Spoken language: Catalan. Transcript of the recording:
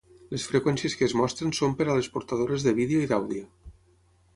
Les freqüències que es mostren són per a les portadores de vídeo i d'àudio.